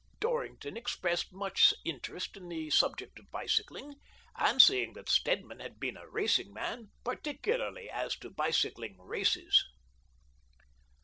Dorrington expressed much interest in the subject of bicycling, and, seeing that Sted man had been a racing man, particularly as to bicycling races.